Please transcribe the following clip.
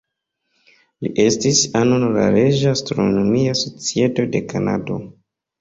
Li estis ano de la Reĝa astronomia societo de Kanado.